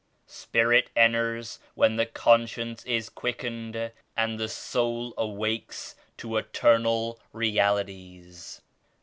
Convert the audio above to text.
Spirit enters when the conscience is quickened and the soul awakes to eternal Realities.